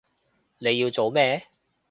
你要做咩？